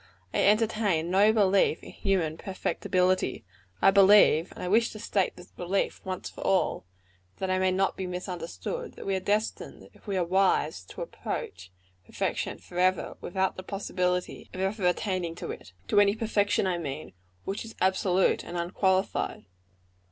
I entertain no belief in human perfectibility. I believe and I wish to state this belief once for all, that I may not be misunderstood that we are destined, if we are wise, to approach perfection forever, without the possibility of ever attaining to it; to any perfection, I mean, which is absolute and unqualified.